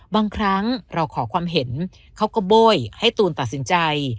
บางครั้งเราขอความเห็นเขาก็โบ้ยให้ตูนตัดสินใจ